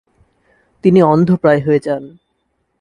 তিনি অন্ধপ্রায় হয়ে যান।